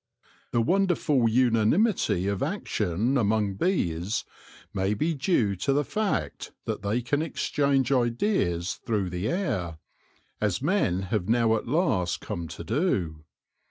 The wonderful unanimity of action among bees may be due to the fact that they can exchange ideas through the air, as men have now at last come to do.